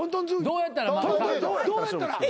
どうやったら？